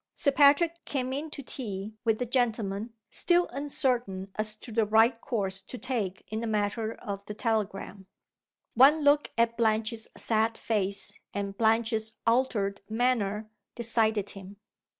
Sir Patrick came in to tea, with the gentlemen, still uncertain as to the right course to take in the matter of the telegram. One look at Blanche's sad face and Blanche's altered manner decided him.